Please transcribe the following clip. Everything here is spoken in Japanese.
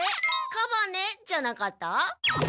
「カバね」じゃなかった？